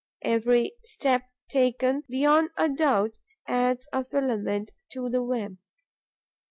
Each step taken, beyond a doubt, adds a filament to the web.